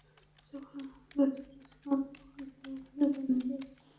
যখন আমরা ছোট ছিলাম, তখন কেউ আমাদের বোনদেরকে খেলায় নিতাম না।